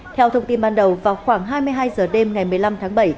theo thông tin ban đầu vào khoảng hai mươi hai h đêm ngày một mươi năm tháng bảy